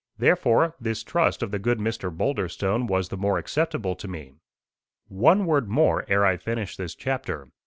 Therefore this trust of the good Mr. Boulderstone was the more acceptable to me. One word more ere I finish this chapter.